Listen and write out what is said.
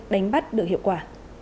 đánh bắt được hiệu quả